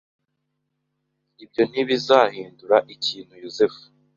Ibyo ntibizahindura ikintuYozefu